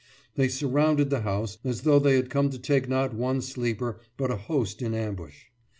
They surrounded the house as though they had come to take not one sleeper but a host in ambush.